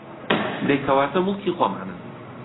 دەی کەواتە موڵکی خۆمانن